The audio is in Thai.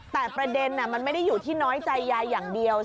แต่ประเด็นมันไม่ได้อยู่ที่น้อยใจยายอย่างเดียว